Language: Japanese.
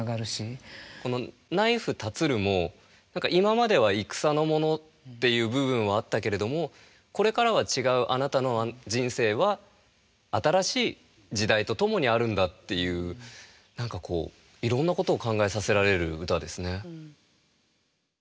この「ナイフ立つる」も今までは戦のものっていう部分はあったけれどもこれからは違うあなたの人生は新しい時代と共にあるんだっていう何かこういろんなことを考えさせられる歌ですね。